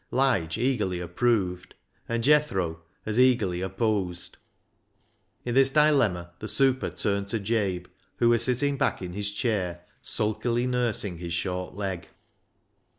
Lige eagerly approved, and Jethro as eagerly opposed. In this dilemma the super turned to Jabe, who was sitting back in his chair, sulkily nursing his short leg.